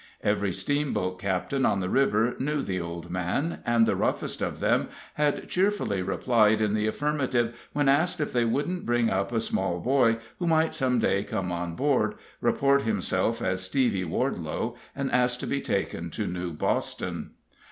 Every steamboat captain on the river knew the old man, and the roughest of them had cheerfuly replied in the affirmative when asked if they wouldn't bring up a small boy who might some day come on board, report himself as Stevie Wardelow, and ask to be taken to New Boston.